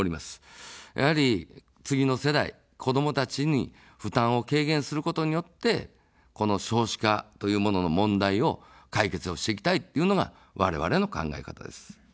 やはり、次の世代、子どもたちに負担を軽減することによって、この少子化というものの問題を解決をしていきたいというのがわれわれの考え方です。